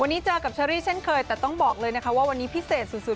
วันนี้เจอกับเชอรี่เช่นเคยแต่ต้องบอกเลยนะคะว่าวันนี้พิเศษสุด